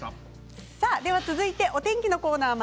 続いてお天気のコーナー。